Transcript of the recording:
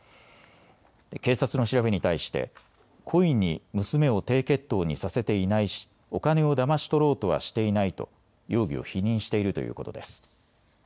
警察の調べに対して故意に娘を低血糖にさせていないしお金をだまし取ろうとはしていないと容疑を否認しているということです。